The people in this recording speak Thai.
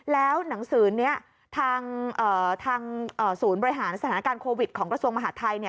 แล้วหนังสือนี้ทางศูนย์บริหารสถานการณ์โควิดของกระทรวงมหาดไทย